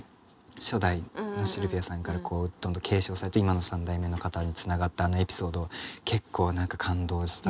初代のシルヴィアさんからどんどん継承されて今の三代目の方につながったあのエピソード結構何か感動した。